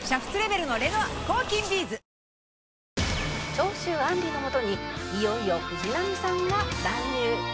長州あんりの元にいよいよ藤波さんが乱入！